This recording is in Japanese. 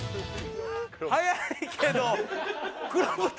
速いけど。